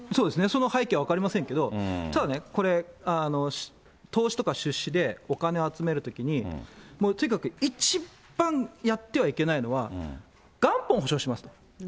その背景は分かりませんけど、ただね、これ、投資とか出資でお金を集めるときに、とにかく一番やってはいけないのは、元本保証します。